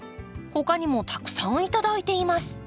他にもたくさん頂いています。